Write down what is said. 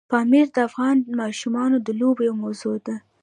پامیر د افغان ماشومانو د لوبو یوه موضوع ده.